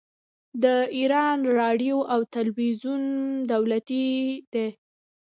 د ایران راډیو او تلویزیون دولتي دي.